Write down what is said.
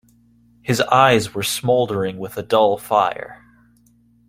His eyes were smouldering with a dull fire.